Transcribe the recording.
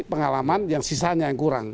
pengalaman yang sisanya yang kurang